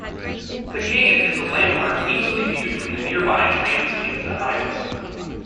The cave is a landmark easily viewed from the nearby Trans-Canada Highway.